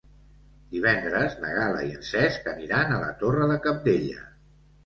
Divendres na Gal·la i en Cesc aniran a la Torre de Cabdella.